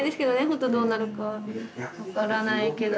ほんとどうなるか。分からないけど。